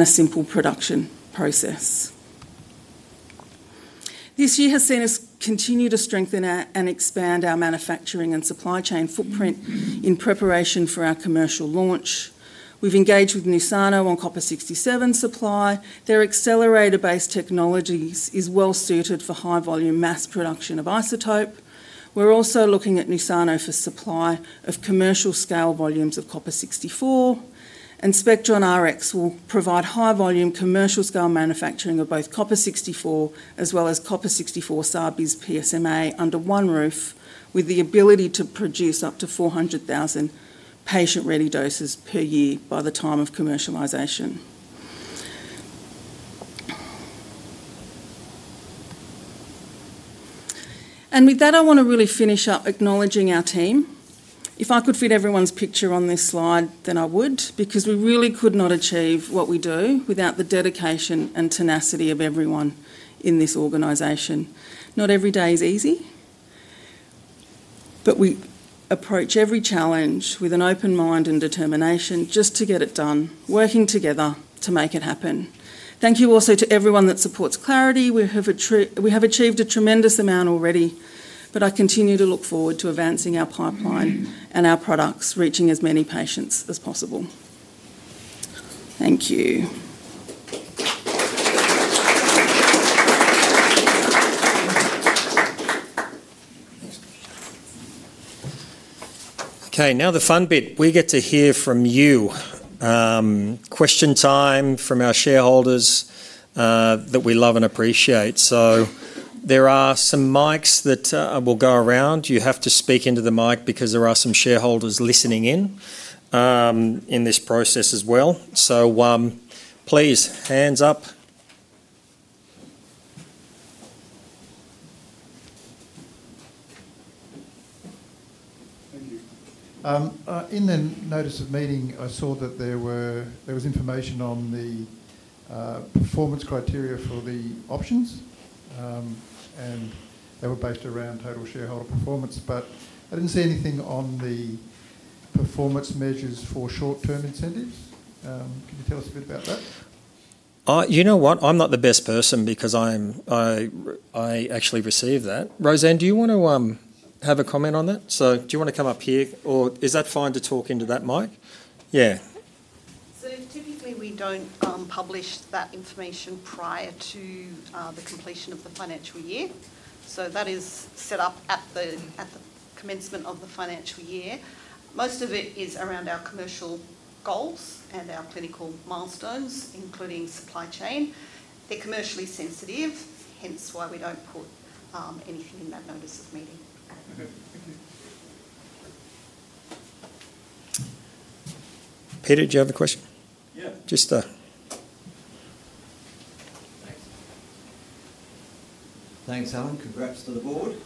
A simple production process. This year has seen us continue to strengthen and expand our manufacturing and supply chain footprint in preparation for our commercial launch. We've engaged with Nusano on copper-67 supply. Their accelerator-based technology is well-suited for high-volume mass production of isotope. We're also looking at Nusano for supply of commercial-scale volumes of copper-64, and SpectronRx will provide high-volume commercial-scale manufacturing of both copper-64 as well as copper-64 SAR-bisPSMA under one roof, with the ability to produce up to 400,000 patient-ready doses per year by the time of commercialization. I want to really finish up acknowledging our team. If I could fit everyone's picture on this slide, then I would, because we really could not achieve what we do without the dedication and tenacity of everyone in this organization. Not every day is easy, but we approach every challenge with an open mind and determination just to get it done, working together to make it happen. Thank you also to everyone that supports Clarity. We have achieved a tremendous amount already, but I continue to look forward to advancing our pipeline and our products reaching as many patients as possible. Thank you. Okay, now the fun bit. We get to hear from you. Question time from our shareholders that we love and appreciate. There are some mics that will go around. You have to speak into the mic because there are some shareholders listening in in this process as well. Please, hands up. Thank you. In the notice of meeting, I saw that there was information on the performance criteria for the options, and they were based around total shareholder performance, but I did not see anything on the performance measures for short-term incentives. Can you tell us a bit about that? You know what? I'm not the best person because I actually received that. Rosanne, do you want to have a comment on that? Do you want to come up here, or is that fine to talk into that mic? Yeah. Typically, we don't publish that information prior to the completion of the financial year. That is set up at the commencement of the financial year. Most of it is around our commercial goals and our clinical milestones, including supply chain. They're commercially sensitive, hence why we don't put anything in that notice of meeting. Okay. Peter, do you have a question? Thanks, Alan. Congrats to the board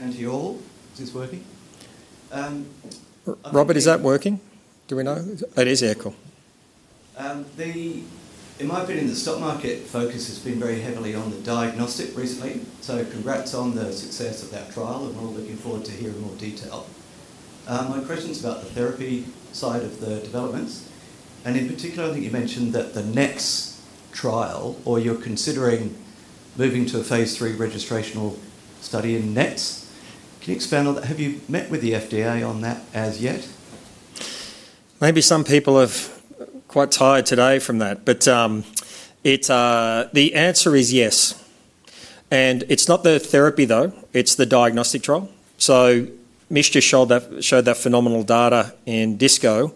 and to you all. Is this working? Robert, is that working? Do we know? It is, yeah. Cool. In my opinion, the stock market focus has been very heavily on the diagnostic recently. Congrats on the success of that trial, and we're all looking forward to hearing more detail. My question's about the therapy side of the developments. In particular, I think you mentioned that the NETs trial, or you're considering moving to a phase III registrational study in NETs. Can you expand on that? Have you met with the FDA on that as yet? Maybe some people are quite tired today from that, but the answer is yes. It's not the therapy, though. It's the diagnostic trial. Michelle showed that phenomenal data in DISCO,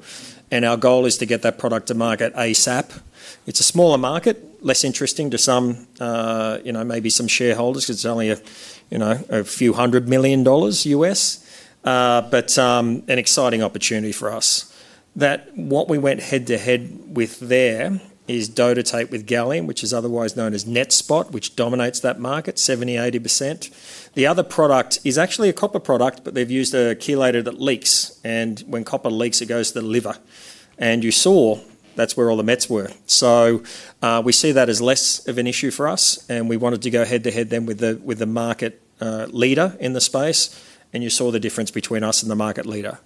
and our goal is to get that product to market ASAP. It's a smaller market, less interesting to some, maybe some shareholders, because it's only a few hundred million dollars U.S., but an exciting opportunity for us. What we went head-to-head with there is DOTATATE with Gallium, which is otherwise known as NetSpot, which dominates that market, 70%-80%. The other product is actually a copper product, but they've used a chelator that leaks, and when copper leaks, it goes to the liver. You saw that's where all the METS were. We see that as less of an issue for us, and we wanted to go head-to-head then with the market leader in the space, and you saw the difference between us and the market leader.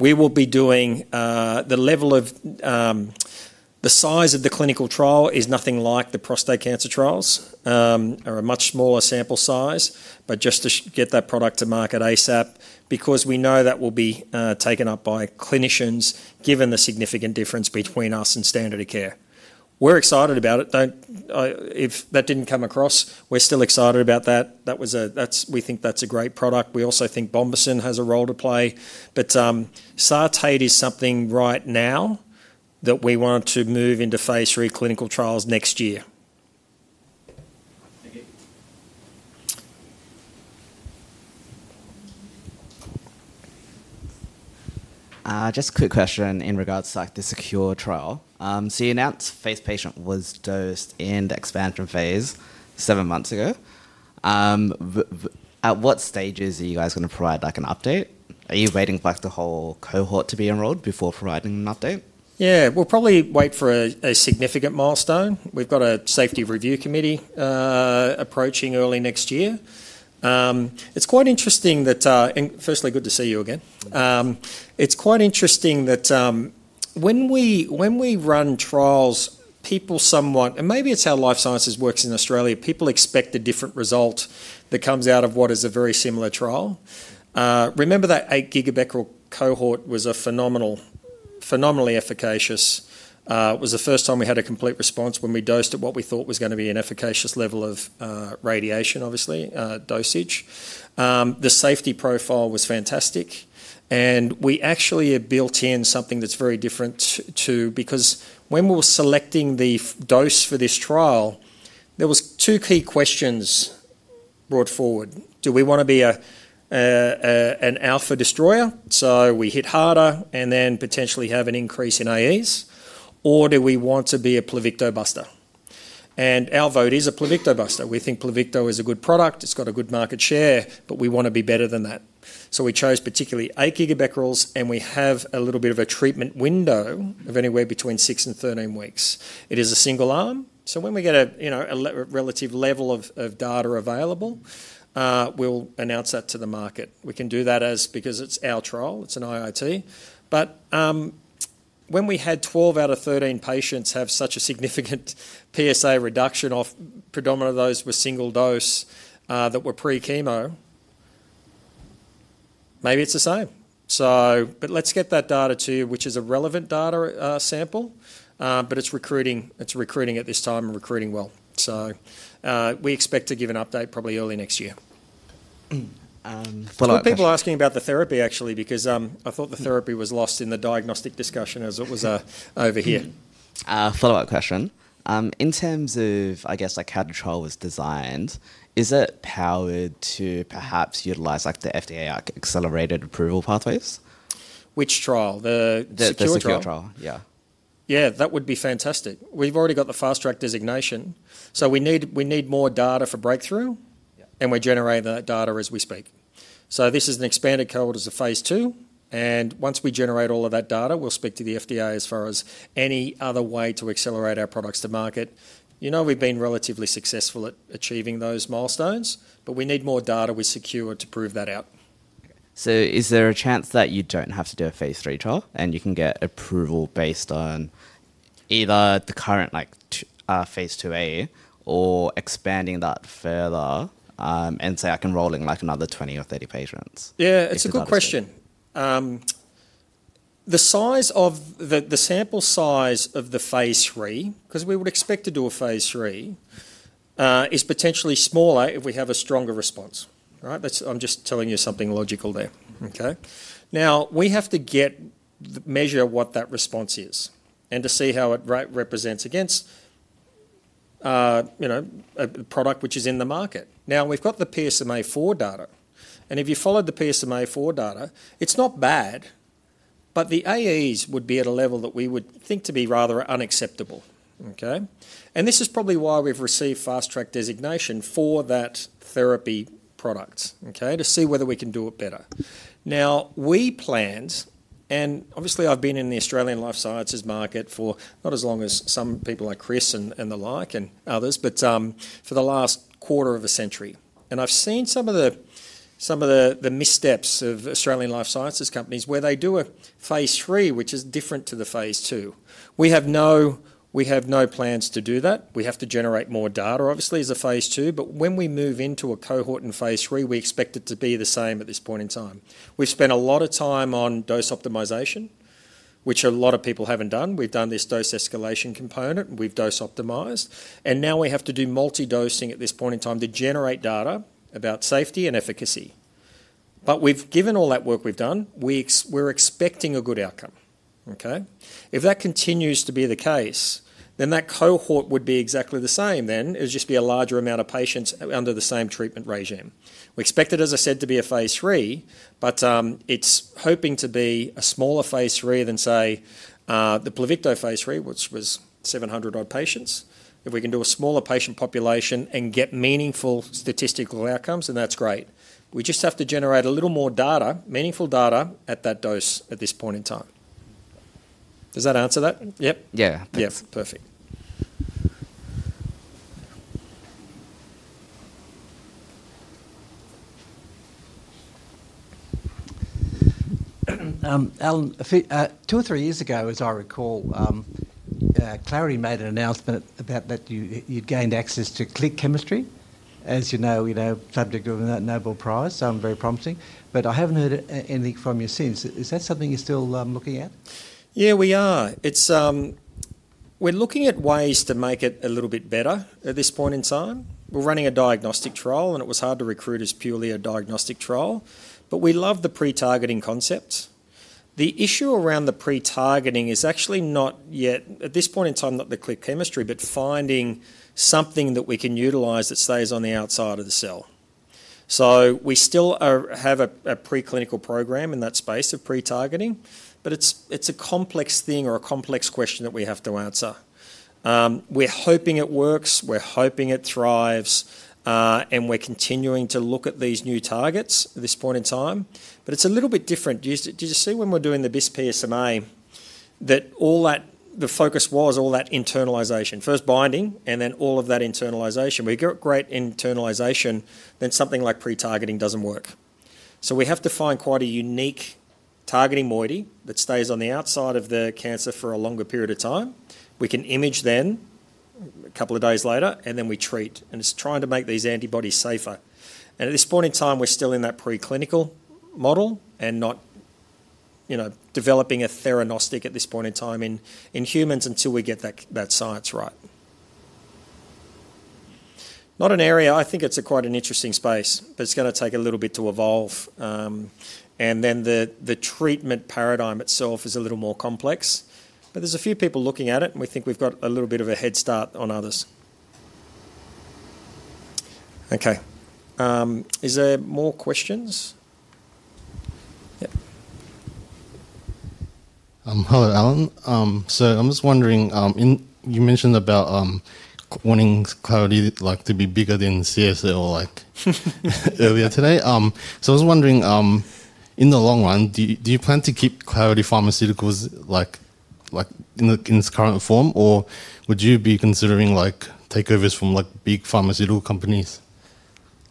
We will be doing the level of the size of the clinical trial is nothing like the prostate cancer trials, are a much smaller sample size, but just to get that product to market ASAP, because we know that will be taken up by clinicians, given the significant difference between us and standard of care. We're excited about it. If that didn't come across, we're still excited about that. We think that's a great product. We also think Bombesin has a role to play, but SARTATE is something right now that we want to move into phase III clinical trials next year. Just a quick question in regards to the SECuRE trial. You announced phase patient was dosed in the expansion phase seven months ago. At what stages are you guys going to provide an update? Are you waiting for the whole cohort to be enrolled before providing an update? Yeah, we'll probably wait for a significant milestone. We've got a safety review committee approaching early next year. It's quite interesting that firstly, good to see you again. It's quite interesting that when we run trials, people somewhat, and maybe it's how life sciences works in Australia, people expect a different result that comes out of what is a very similar trial. Remember that eight-gigabecal cohort was phenomenally efficacious. It was the first time we had a complete response when we dosed at what we thought was going to be an efficacious level of radiation, obviously, dosage. The safety profile was fantastic. We actually have built in something that's very different too, because when we were selecting the dose for this trial, there were two key questions brought forward. Do we want to be an alpha destroyer? We hit harder and then potentially have an increase in AEs, or do we want to be a Pluvicto buster? Our vote is a Pluvicto buster. We think Pluvicto is a good product. It's got a good market share, but we want to be better than that. We chose particularly eight gigabecquerels, and we have a little bit of a treatment window of anywhere between six and 13 weeks. It is a single arm. When we get a relative level of data available, we'll announce that to the market. We can do that because it's our trial. It's an IIT. When we had 12 out of 13 patients have such a significant PSA reduction off, predominantly those were single dose that were pre-chemo, maybe it's the same. Let's get that data to you, which is a relevant data sample, but it's recruiting at this time and recruiting well. We expect to give an update probably early next year. People are asking about the therapy, actually, because I thought the therapy was lost in the diagnostic discussion as it was over here. Follow-up question. In terms of, I guess, how the trial was designed, is it powered to perhaps utilize the FDA accelerated approval pathways? Which trial? The SECuRE trial? The SECuRE trial, yeah. Yeah, that would be fantastic. We've already got the fast-track designation. We need more data for breakthrough, and we're generating that data as we speak. This is an expanded cohort as a phase II. Once we generate all of that data, we'll speak to the FDA as far as any other way to accelerate our products to market. You know we've been relatively successful at achieving those milestones, but we need more data with SECuRE to prove that out. Is there a chance that you don't have to do a phase III trial and you can get approval based on either the current phase II-A or expanding that further and say, "I can roll in another 20 or 30 patients"? Yeah, it's a good question. The size of the sample size of the phase III, because we would expect to do a phase III, is potentially smaller if we have a stronger response. I'm just telling you something logical there. Now, we have to measure what that response is and to see how it represents against a product which is in the market. Now, we've got the PSMA4 data. If you follow the PSMA4 data, it's not bad, but the AEs would be at a level that we would think to be rather unacceptable. This is probably why we've received fast-track designation for that therapy product to see whether we can do it better. Now, we planned, and obviously, I've been in the Australian life sciences market for not as long as some people like Chris and the like and others, but for the last quarter of a century. I've seen some of the missteps of Australian life sciences companies where they do a phase III, which is different to the phase II. We have no plans to do that. We have to generate more data, obviously, as a phase II, but when we move into a cohort in phase III, we expect it to be the same at this point in time. We've spent a lot of time on dose optimization, which a lot of people haven't done. We've done this dose escalation component. We've dose optimized. Now we have to do multi-dosing at this point in time to generate data about safety and efficacy. Given all that work we've done, we're expecting a good outcome. If that continues to be the case, then that cohort would be exactly the same. It would just be a larger amount of patients under the same treatment regime. We expect it, as I said, to be a phase III, but it's hoping to be a smaller phase III than, say, the Pluvicto phase III, which was 700-odd patients. If we can do a smaller patient population and get meaningful statistical outcomes, then that's great. We just have to generate a little more data, meaningful data at that dose at this point in time. Does that answer that? Yep? Yeah. Yeah, perfect. Alan, two or three years ago, as I recall, Clarity made an announcement about that you'd gained access to click chemistry, as you know, subject of a Nobel Prize. I'm very promising, but I haven't heard anything from you since. Is that something you're still looking at? Yeah, we are. We're looking at ways to make it a little bit better at this point in time. We're running a diagnostic trial, and it was hard to recruit as purely a diagnostic trial, but we love the pre-targeting concept. The issue around the pre-targeting is actually not yet, at this point in time, not the click chemistry, but finding something that we can utilize that stays on the outside of the cell. So we still have a preclinical program in that space of pre-targeting, but it's a complex thing or a complex question that we have to answer. We're hoping it works. We're hoping it thrives, and we're continuing to look at these new targets at this point in time. It's a little bit different. Did you see when we're doing the BIS PSMA that all that the focus was all that internalization, first binding, and then all of that internalization? We got great internalization, then something like pre-targeting doesn't work. We have to find quite a unique targeting moiety that stays on the outside of the cancer for a longer period of time. We can image then a couple of days later, and then we treat, and it's trying to make these antibodies safer. At this point in time, we're still in that preclinical model and not developing a theranostic at this point in time in humans until we get that science right. Not an area. I think it's quite an interesting space, but it's going to take a little bit to evolve. The treatment paradigm itself is a little more complex, but there's a few people looking at it, and we think we've got a little bit of a head start on others. Okay. Is there more questions? Yep. Hello, Alan. I am just wondering, you mentioned about wanting Clarity to be bigger than CSA earlier today. I was wondering, in the long run, do you plan to keep Clarity Pharmaceuticals in its current form, or would you be considering takeovers from big pharmaceutical companies?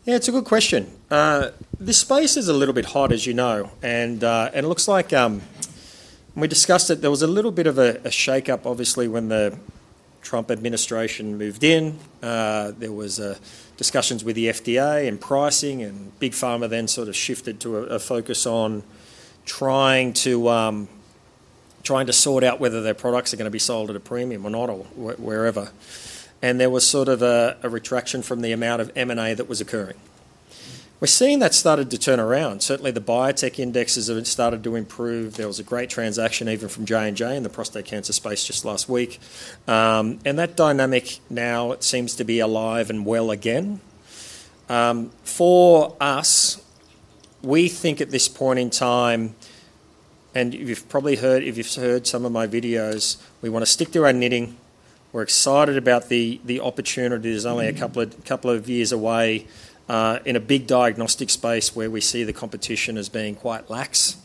Yeah, it's a good question. The space is a little bit hot, as you know, and it looks like we discussed that there was a little bit of a shake-up, obviously, when the Trump administration moved in. There were discussions with the FDA and pricing, and Big Pharma then sort of shifted to a focus on trying to sort out whether their products are going to be sold at a premium or not or wherever. There was sort of a retraction from the amount of M&A that was occurring. We're seeing that started to turn around. Certainly, the biotech indexes have started to improve. There was a great transaction even from Johnson & Johnson in the prostate cancer space just last week. That dynamic now seems to be alive and well again. For us, we think at this point in time, and you've probably heard some of my videos, we want to stick to our knitting. We're excited about the opportunity that is only a couple of years away in a big diagnostic space where we see the competition as being quite lax.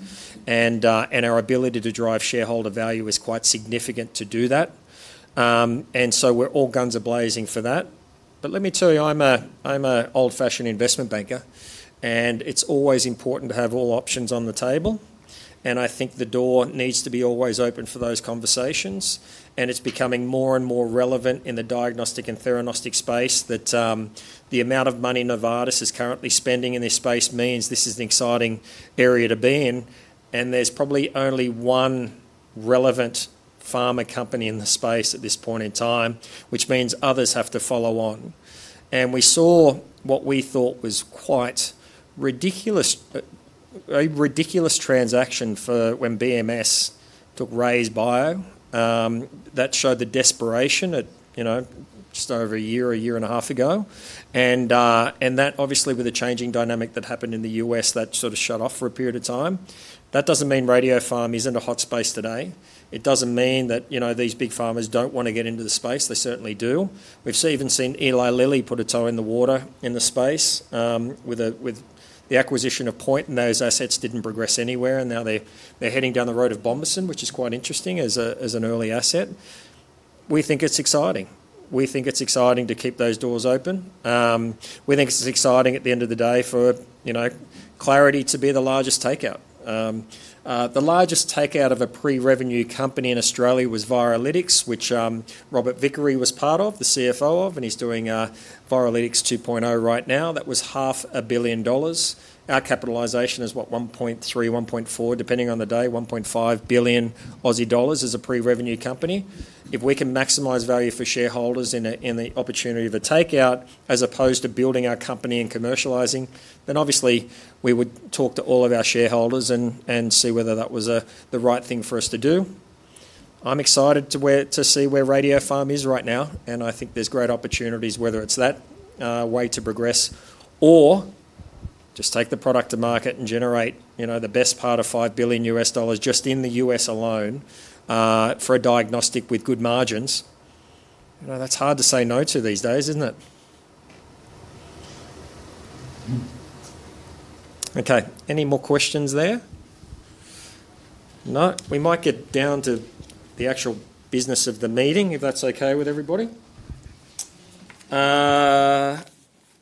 Our ability to drive shareholder value is quite significant to do that. We're all guns are blazing for that. Let me tell you, I'm an old-fashioned investment banker, and it's always important to have all options on the table. I think the door needs to be always open for those conversations. It's becoming more and more relevant in the diagnostic and theranostic space that the amount of money Novartis is currently spending in this space means this is an exciting area to be in. There is probably only one relevant pharma company in the space at this point in time, which means others have to follow on. We saw what we thought was quite a ridiculous transaction when BMS took RayzeBio that showed the desperation just over a year, a year and a half ago. That, obviously, with the changing dynamic that happened in the U.S., sort of shut off for a period of time. That does not mean radiopharma is not a hot space today. It does not mean that these big pharmas do not want to get into the space. They certainly do. We have even seen Eli Lilly put a toe in the water in the space with the acquisition of POINT, and those assets did not progress anywhere. Now they are heading down the road of Bombesin, which is quite interesting as an early asset. We think it is exciting. We think it's exciting to keep those doors open. We think it's exciting at the end of the day for Clarity to be the largest takeout. The largest takeout of a pre-revenue company in Australia was Viralytics, which Robert Vickery was part of, the CFO of, and he's doing Viralytics 2.0 right now. That was 500,000,000 dollars. Our capitalization is what, 1.3-1.4, depending on the day, 1.5 billion Aussie dollars as a pre-revenue company. If we can maximize value for shareholders in the opportunity of a takeout as opposed to building our company and commercializing, then obviously, we would talk to all of our shareholders and see whether that was the right thing for us to do. I'm excited to see where radiopharma is right now, and I think there's great opportunities, whether it's that way to progress or just take the product to market and generate the best part of $5 billion just in the U.S. alone for a diagnostic with good margins. That's hard to say no to these days, isn't it? Okay. Any more questions there? No? We might get down to the actual business of the meeting, if that's okay with everybody.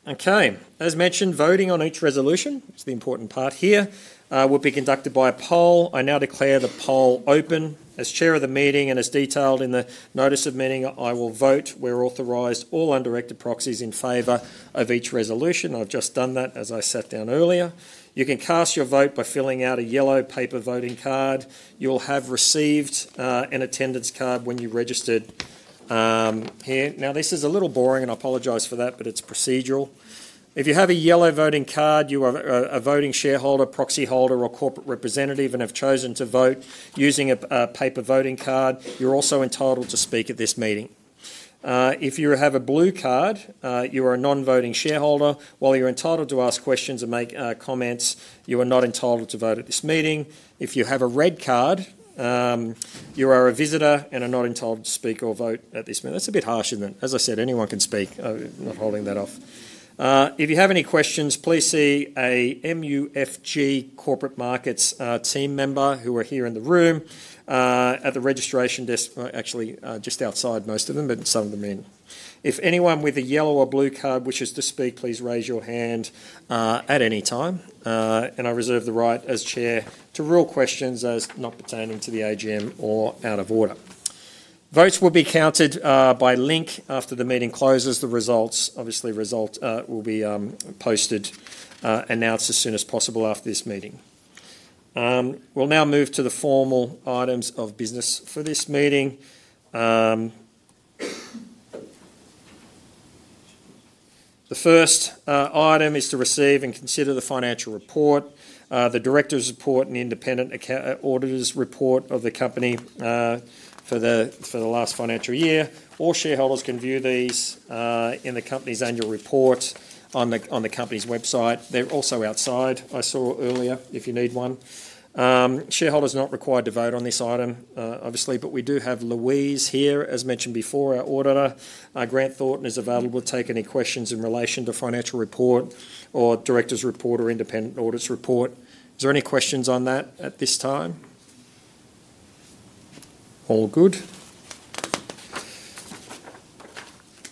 Okay. As mentioned, voting on each resolution, it's the important part here, will be conducted by a poll. I now declare the poll open. As Chair of the meeting and as detailed in the notice of meeting, I will vote. We're authorized all undirected proxies in favor of each resolution. I've just done that as I sat down earlier. You can cast your vote by filling out a yellow paper voting card. You will have received an attendance card when you registered here. Now, this is a little boring, and I apologize for that, but it's procedural. If you have a yellow voting card, you are a voting shareholder, proxy holder, or corporate representative and have chosen to vote using a paper voting card, you're also entitled to speak at this meeting. If you have a blue card, you are a non-voting shareholder. While you're entitled to ask questions and make comments, you are not entitled to vote at this meeting. If you have a red card, you are a visitor and are not entitled to speak or vote at this meeting. That's a bit harsh, isn't it? As I said, anyone can speak. I'm not holding that off. If you have any questions, please see a MUFG Corporate Markets team member who are here in the room at the registration desk, actually just outside most of them, but some of them in. If anyone with a yellow or blue card wishes to speak, please raise your hand at any time. I reserve the right as Chair to rule questions as not pertaining to the AGM or out of order. Votes will be counted by Link after the meeting closes. The results, obviously, will be posted and announced as soon as possible after this meeting. We'll now move to the formal items of business for this meeting. The first item is to receive and consider the financial report, the Director's report, and independent auditor's report of the company for the last financial year. All shareholders can view these in the company's annual report on the company's website. They're also outside, I saw earlier, if you need one. Shareholders are not required to vote on this item, obviously, but we do have Louise here, as mentioned before, our auditor. Grant Thornton is available to take any questions in relation to financial report or director's report or independent auditor's report. Are there any questions on that at this time? All good.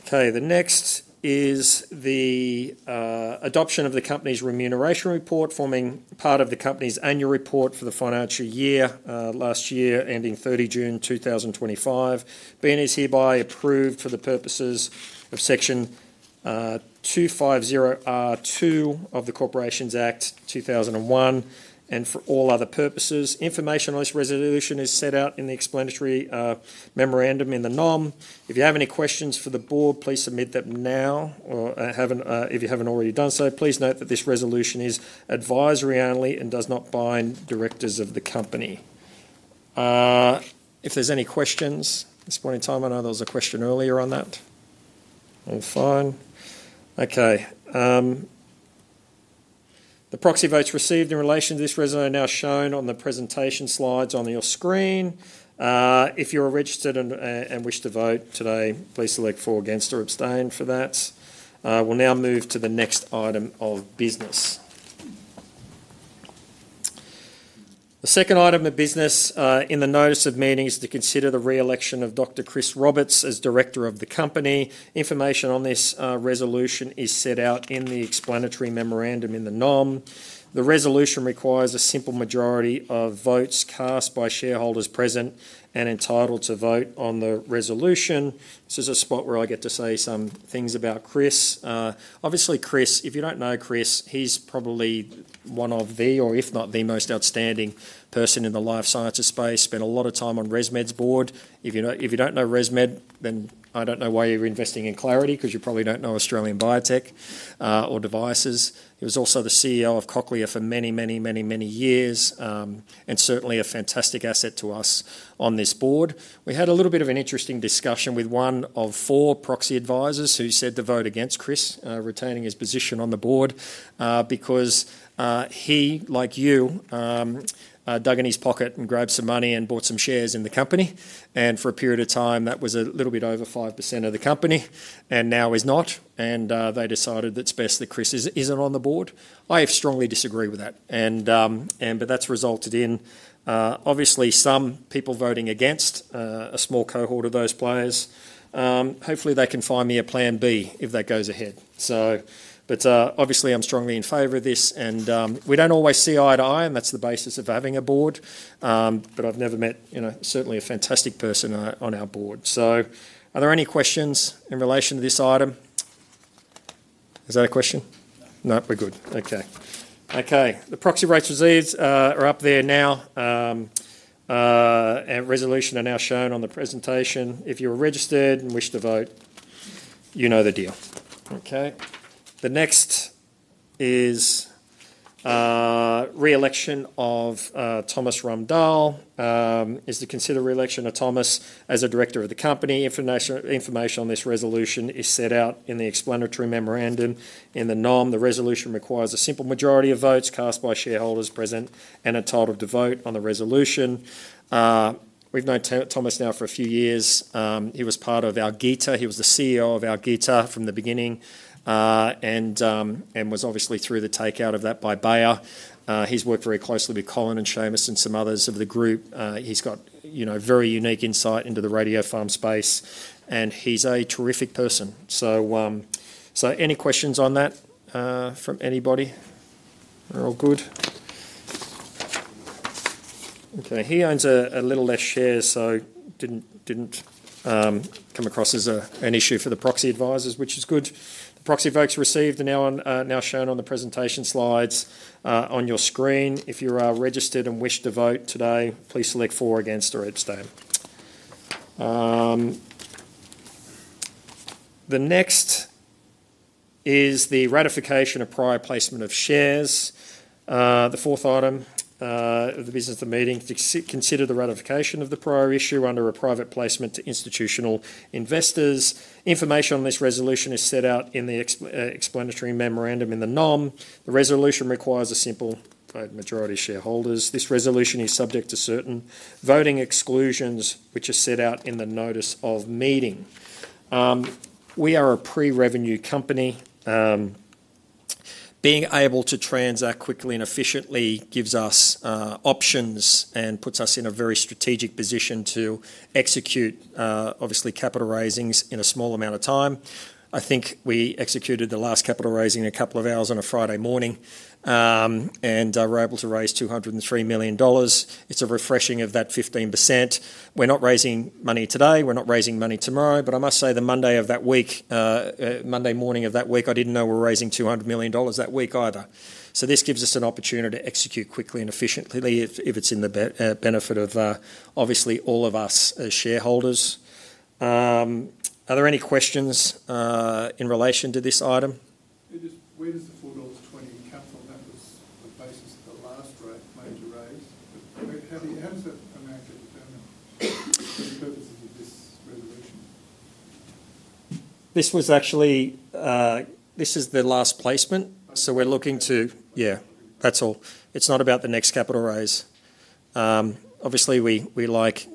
Okay. The next is the adoption of the company's remuneration report forming part of the company's annual report for the financial year last year ending 30 June 2025. Being is hereby approved for the purposes of Section 250(2) of the Corporations Act 2001 and for all other purposes. Information on this resolution is set out in the explanatory memorandum in the NOM. If you have any questions for the board, please submit them now. If you haven't already done so, please note that this resolution is advisory only and does not bind directors of the company. If there's any questions at this point in time, I know there was a question earlier on that. All fine. Okay. The proxy votes received in relation to this resolution are now shown on the presentation slides on your screen. If you are registered and wish to vote today, please select for, against, or abstain for that. We'll now move to the next item of business. The second item of business in the notice of meeting is to consider the re-election of Dr. Chris Roberts as Director of the company. Information on this resolution is set out in the explanatory memorandum in the NOM. The resolution requires a simple majority of votes cast by shareholders present and entitled to vote on the resolution. This is a spot where I get to say some things about Chris. Obviously, Chris, if you don't know Chris, he's probably one of the, or if not the, most outstanding person in the life sciences space. Spent a lot of time on ResMed's board. If you don't know ResMed, then I don't know why you're investing in Clarity because you probably don't know Australian biotech or devices. He was also the CEO of Cochlear for many, many, many, many years and certainly a fantastic asset to us on this board. We had a little bit of an interesting discussion with one of four proxy advisors who said to vote against Chris, retaining his position on the board because he, like you, dug in his pocket and grabbed some money and bought some shares in the company. For a period of time, that was a little bit over 5% of the company and now is not. They decided that it's best that Chris isn't on the board. I strongly disagree with that. That has resulted in, obviously, some people voting against a small cohort of those players. Hopefully, they can find me a plan B if that goes ahead. Obviously, I'm strongly in favor of this. We do not always see eye to eye, and that's the basis of having a board. I've never met, certainly, a fantastic person on our board. Are there any questions in relation to this item? Is that a question? No, we're good. Okay. Okay. The proxy rates are up there now. Resolutions are now shown on the presentation. If you are registered and wish to vote, you know the deal. Okay. The next is re-election of Thomas Randahl. Is to consider re-election of Thomas as a director of the company. Information on this resolution is set out in the explanatory memorandum in the NOM. The resolution requires a simple majority of votes cast by shareholders present and entitled to vote on the resolution. We've known Thomas now for a few years. He was part of Algeta. He was the CEO of Algeta from the beginning and was obviously through the takeout of that by Bayer. He's worked very closely with Colin and Seamus and some others of the group. He's got very unique insight into the radiopharma space, and he's a terrific person. Any questions on that from anybody? All good. Okay. He owns a little less shares, so did not come across as an issue for the proxy advisors, which is good. The proxy votes are now shown on the presentation slides on your screen. If you are registered and wish to vote today, please select for, against, or abstain. The next is the ratification of prior placement of shares. The fourth item of the business of the meeting is to consider the ratification of the prior issue under a private placement to institutional investors. Information on this resolution is set out in the explanatory memorandum in the NOM. The resolution requires a simple majority of shareholders. This resolution is subject to certain voting exclusions, which are set out in the notice of meeting. We are a pre-revenue company. Being able to transact quickly and efficiently gives us options and puts us in a very strategic position to execute, obviously, capital raisings in a small amount of time. I think we executed the last capital raising in a couple of hours on a Friday morning, and we're able to raise 203 million dollars. It's a refreshing of that 15%. We're not raising money today. We're not raising money tomorrow. I must say the Monday of that week, Monday morning of that week, I didn't know we were raising 200 million dollars that week either. This gives us an opportunity to execute quickly and efficiently if it's in the benefit of, obviously, all of us as shareholders. Are there any questions in relation to this item? Where does the AUD 4.20 capital on the basis of the last major raise? How do you answer for management to determine the purposes of this resolution? This was actually this is the last placement. So we're looking to yeah, that's all. It's not about the next capital raise. Obviously, we like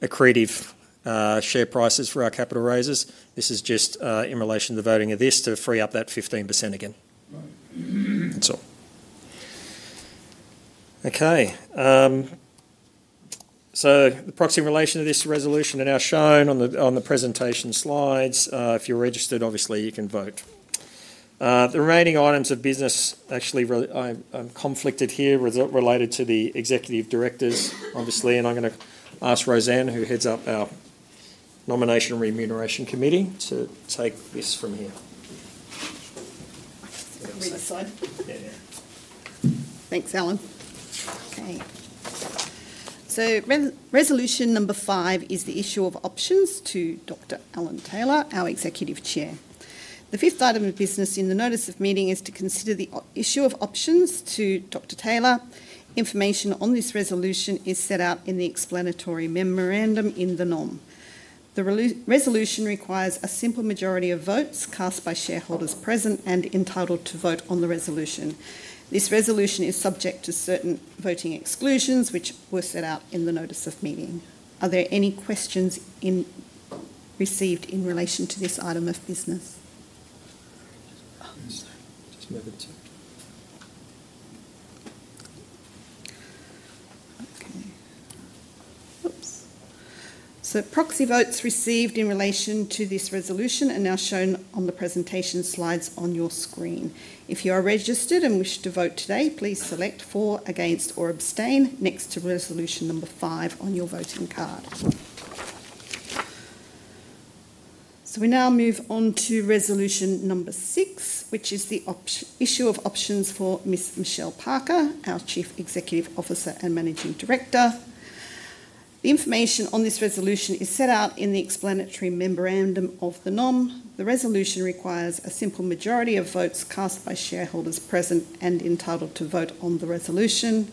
accretive share prices for our capital raisers. This is just in relation to the voting of this to free up that 15% again. That's all. Okay. The proxy relation to this resolution are now shown on the presentation slides. If you're registered, obviously, you can vote. The remaining items of business, actually, I'm conflicted here related to the executive directors, obviously. I'm going to ask Rosanne, who heads up our Nomination and Remuneration Committee, to take this from here. Read the slide. Yeah. Thanks, Alan. Okay. Resolution number five is the issue of options to Dr. Alan Taylor, our Executive Chair. The fifth item of business in the notice of meeting is to consider the issue of options to Dr. Taylor. Information on this resolution is set out in the explanatory memorandum in the NOM. The resolution requires a simple majority of votes cast by shareholders present and entitled to vote on the resolution. This resolution is subject to certain voting exclusions, which were set out in the notice of meeting. Are there any questions received in relation to this item of business? Oops. Proxy votes received in relation to this resolution are now shown on the presentation slides on your screen. If you are registered and wish to vote today, please select for, against, or abstain next to resolution number five on your voting card. We now move on to resolution number six, which is the issue of options for Ms. Michelle Parker, our Chief Executive Officer and Managing Director. The information on this resolution is set out in the explanatory memorandum of the NOM. The resolution requires a simple majority of votes cast by shareholders present and entitled to vote on the resolution.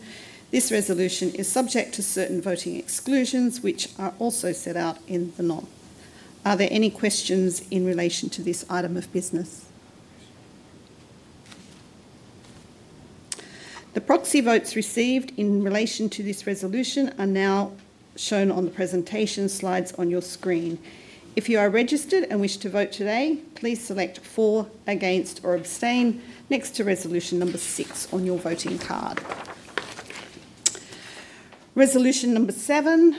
This resolution is subject to certain voting exclusions, which are also set out in the NOM. Are there any questions in relation to this item of business? The proxy votes received in relation to this resolution are now shown on the presentation slides on your screen. If you are registered and wish to vote today, please select for, against, or abstain next to resolution number six on your voting card. Resolution number seven,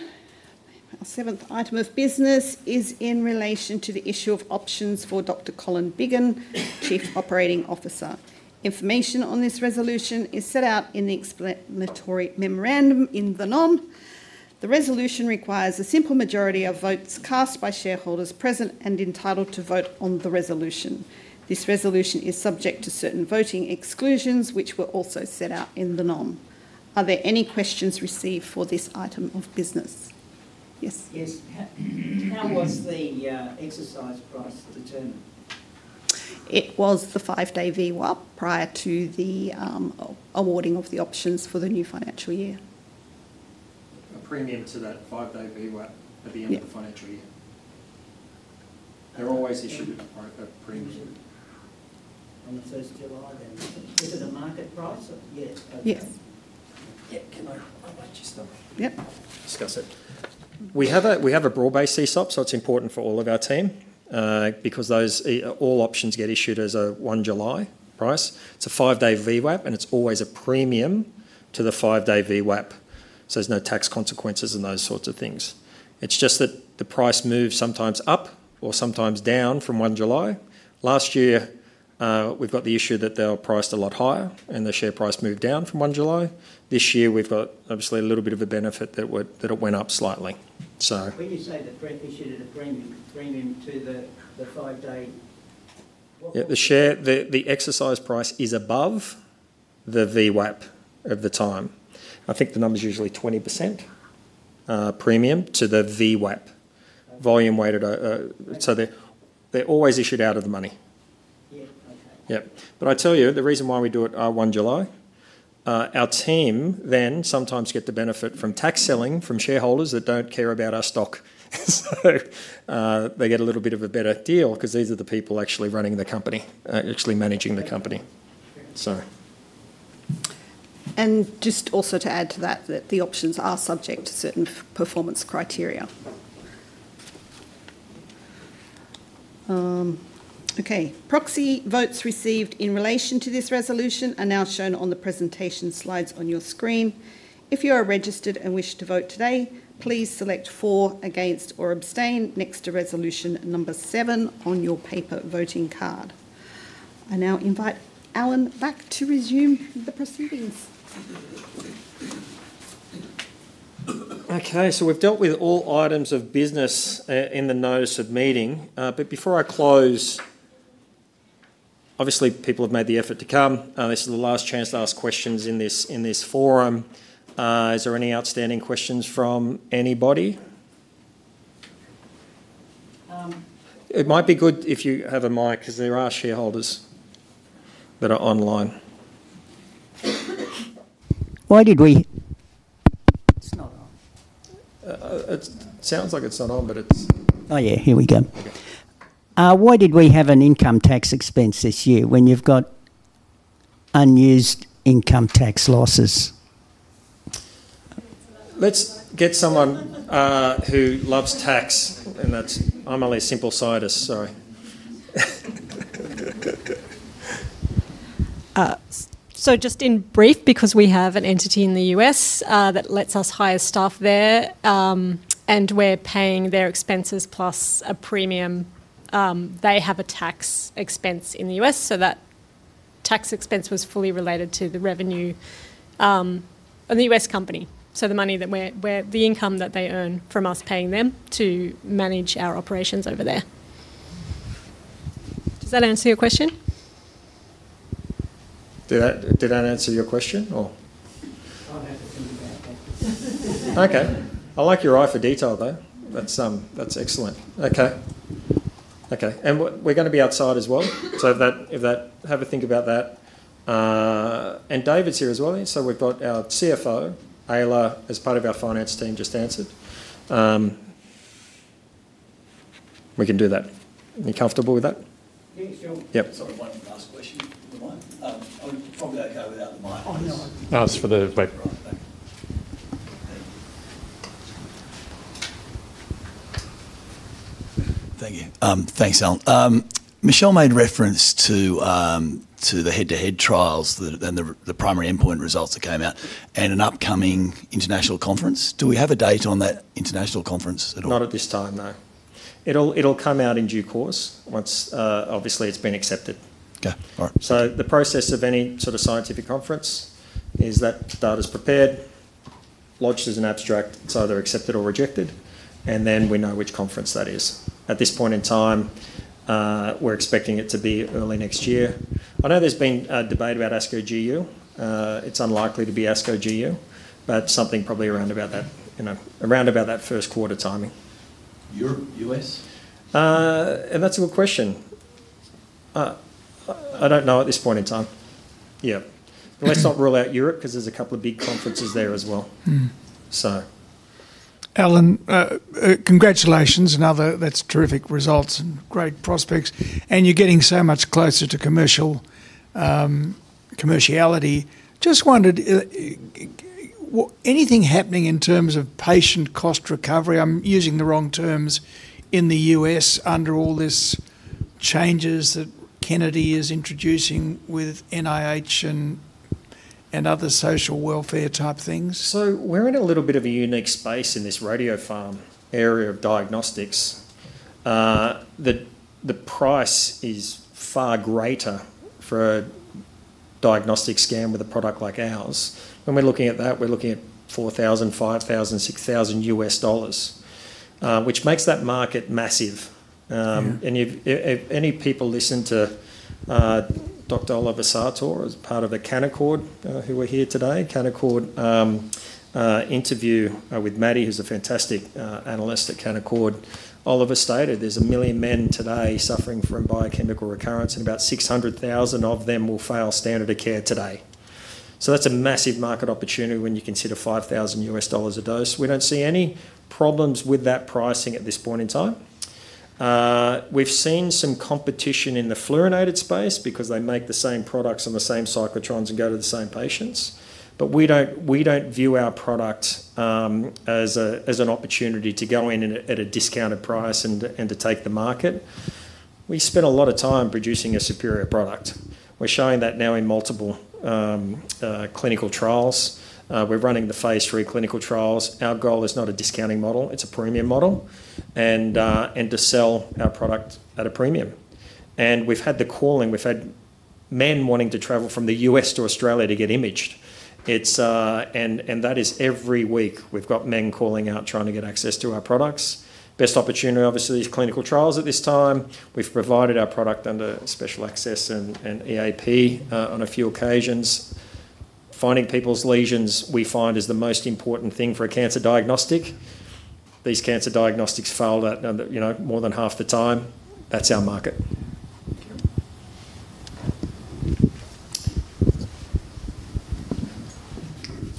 our seventh item of business, is in relation to the issue of options for Dr. Colin Biggin, Chief Operating Officer. Information on this resolution is set out in the explanatory memorandum in the NOM. The resolution requires a simple majority of votes cast by shareholders present and entitled to vote on the resolution. This resolution is subject to certain voting exclusions, which were also set out in the NOM. Are there any questions received for this item of business? Yes. Yes. How was the exercise price determined? It was the five-day VWAP prior to the awarding of the options for the new financial year. A premium to that five-day VWAP at the end of the financial year. They're always issued at a premium. On the 1st of July, then is it a market price or? Yes. Yeah. Yep. Discuss it. We have a broad-based CSOP, so it's important for all of our team because all options get issued as a one-July price. It's a five-day VWAP, and it's always a premium to the five-day VWAP. There are no tax consequences and those sorts of things. It's just that the price moves sometimes up or sometimes down from one-July. Last year, we've got the issue that they were priced a lot higher, and the share price moved down from one-July. This year, we've got, obviously, a little bit of a benefit that it went up slightly. When you say the premium to the five-day. Yeah. The exercise price is above the VWAP of the time. I think the number's usually 20% premium to the VWAP volume weighted. So they're always issued out of the money. Yeah. Okay. Yep. I tell you, the reason why we do it one-July, our team then sometimes get the benefit from tax selling from shareholders that do not care about our stock. They get a little bit of a better deal because these are the people actually running the company, actually managing the company. Just also to add to that, that the options are subject to certain performance criteria. Okay. Proxy votes received in relation to this resolution are now shown on the presentation slides on your screen. If you are registered and wish to vote today, please select for, against, or abstain next to resolution number seven on your paper voting card. I now invite Alan back to resume the proceedings. Okay. We have dealt with all items of business in the notice of meeting. Before I close, obviously, people have made the effort to come. This is the last chance to ask questions in this forum. Is there any outstanding questions from anybody? It might be good if you have a mic because there are shareholders that are online. Why did we? It's not on. It sounds like it's not on, but it is. Oh, yeah. Here we go. Why did we have an income tax expense this year when you've got unused income tax losses? Let's get someone who loves tax, and that's I'm only a simple scientist, so. Just in brief, because we have an entity in the U.S. that lets us hire staff there, and we're paying their expenses plus a premium, they have a tax expense in the U.S.. That tax expense was fully related to the revenue of the U.S. company. The money that we're, the income that they earn from us paying them to manage our operations over there. Does that answer your question? Did that answer your question? Okay. I like your eye for detail, though. That's excellent. Okay. Okay. We're going to be outside as well. Have a think about that. David's here as well. We've got our CFO, Aila, as part of our finance team just answered. We can do that. Are you comfortable with that? Yeah. Sorry, one last question. I'm fine. I'm probably okay without the mic. Oh, no. Ask for the paper. Thank you. Thanks, Alan. Michelle made reference to the head-to-head trials and the primary endpoint results that came out and an upcoming international conference. Do we have a date on that international conference at all? Not at this time, no. It'll come out in due course once, obviously, it's been accepted. Okay. All right. The process of any sort of scientific conference is that data's prepared, lodged as an abstract. It's either accepted or rejected, and then we know which conference that is. At this point in time, we're expecting it to be early next year. I know there's been a debate about ASCO GU. It's unlikely to be ASCO GU, but something probably around about that, around about that first quarter timing. Europe? U.S.? That's a good question. I don't know at this point in time. Yeah. Let's not rule out Europe because there's a couple of big conferences there as well. Alan, congratulations and other that's terrific results and great prospects. You're getting so much closer to commerciality. Just wondered, anything happening in terms of patient cost recovery? I'm using the wrong terms. In the U.S., under all these changes that Kennedy is introducing with NIH and other social welfare type things? We're in a little bit of a unique space in this radiopharm area of diagnostics. The price is far greater for a diagnostic scan with a product like ours. When we're looking at that, we're looking at $4,000, $5,000, $6,000, which makes that market massive. If any people listen to Dr. Oliver Sartor as part of the Canaccord who are here today, Canaccord interview with Maddie, who's a fantastic analyst at Canaccord. Oliver stated, "There's a million men today suffering from biochemical recurrence, and about 600,000 of them will fail standard of care today." That's a massive market opportunity when you consider $5,000 a dose. We don't see any problems with that pricing at this point in time. We've seen some competition in the fluorinated space because they make the same products on the same cyclotrons and go to the same patients. We don't view our product as an opportunity to go in at a discounted price and to take the market. We spent a lot of time producing a superior product. We're showing that now in multiple clinical trials. We're running the phase III clinical trials. Our goal is not a discounting model. It's a premium model and to sell our product at a premium. We've had the calling. We've had men wanting to travel from the U.S. to Australia to get imaged. That is every week. We've got men calling out trying to get access to our products. Best opportunity, obviously, these clinical trials at this time. We've provided our product under special access and EAP on a few occasions. Finding people's lesions, we find, is the most important thing for a cancer diagnostic. These cancer diagnostics fail more than half the time. That's our market.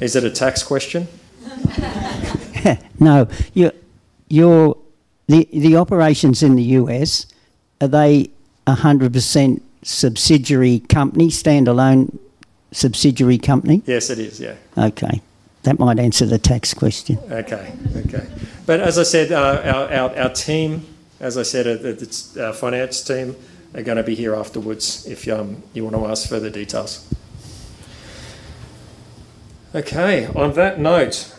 Is it a tax question? No. The operations in the U.S., are they 100% subsidiary company, standalone subsidiary company? Yes, it is. Yeah. Okay. That might answer the tax question. Okay. Okay. As I said, our finance team are going to be here afterwards if you want to ask further details. On that note,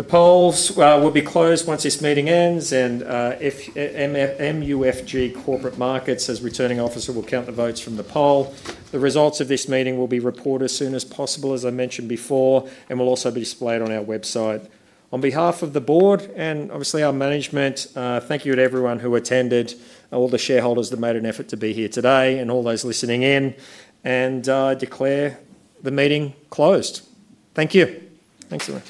the polls will be closed once this meeting ends. MUFG Corporate Markets as returning officer will count the votes from the poll. The results of this meeting will be reported as soon as possible, as I mentioned before, and will also be displayed on our website. On behalf of the board and obviously our management, thank you to everyone who attended, all the shareholders that made an effort to be here today, and all those listening in, and declare the meeting closed. Thank you. Thanks very much.